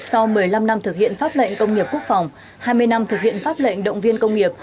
sau một mươi năm năm thực hiện pháp lệnh công nghiệp quốc phòng hai mươi năm thực hiện pháp lệnh động viên công nghiệp